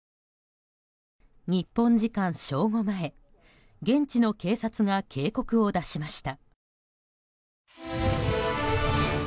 日本時間正午前現地の警察が警告を出しました。